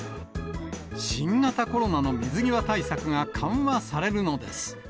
新型コロナの水際対策が緩和されるのです。